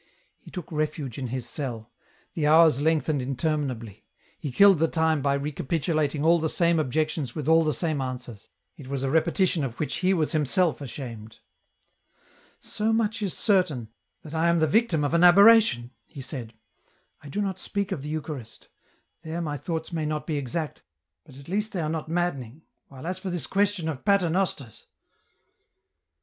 He took refuge in his cell ; the hours lengthened inter minably ; he killed the time by recapitulating all the same 206 EN ROUTE. objections with all the same answers. It was a repetition of which he was himself ashamed. " So much is certain, that I am the victim of an aberra tion," he said. " I do not speak of the Eucharist ; there my thoughts may not be exact, but at least they are not maddening, while as for this question of paternosters